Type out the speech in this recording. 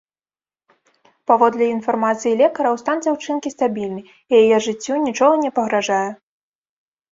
Паводле інфармацыі лекараў, стан дзяўчынкі стабільны, і яе жыццю нічога не пагражае.